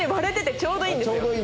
ちょうどいいんだよね。